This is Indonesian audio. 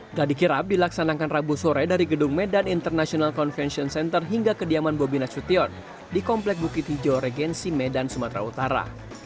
geladi kirap dilaksanakan rabu sore dari gedung medan international convention center hingga kediaman bobi nasution di komplek bukit hijau regensi medan sumatera utara